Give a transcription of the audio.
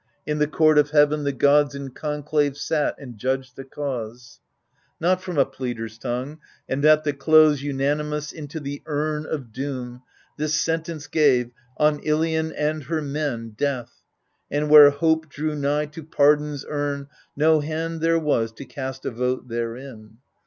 In the court of heaven The gods in conclave sat and judged the cause, Not from a pleader's tongue, and at the close. Unanimous into the urn of doom This sentence gave, On Ilion and her men^ Death : and where hope drew nigh to pardon's urn No hand there was to cast a vote therein.